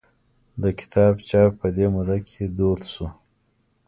د کتاب چاپ په دې موده کې دود شو.